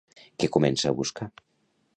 Què comença a buscar?